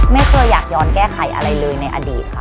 ไม่เคยอยากย้อนแก้ไขอะไรเลยในอดีตค่ะ